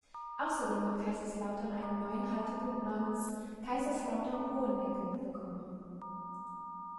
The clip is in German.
Außerdem wird Kaiserslautern einen neuen Haltepunkt namens "Kaiserslautern-Hohenecken" bekommen.